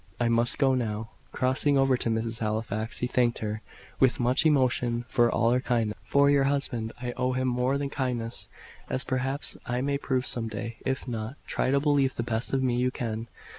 "I must go now." Crossing over to Mrs. Halifax, he thanked her, with much emotion, for all her kindness. "For your husband, I owe him more than kindness, as perhaps I may prove some day. If not, try to believe the best of me you can.